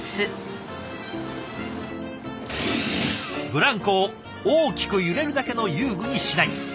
ブランコを大きく揺れるだけの遊具にしない。